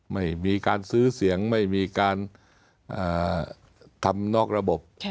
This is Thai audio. ไม่มีการซื้อเสียงไม่มีการทำนอกระบบ